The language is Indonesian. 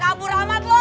kaka abur amat lu